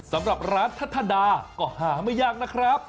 สำหรับร้านทัศดาก็หาไม่ยากนะครับ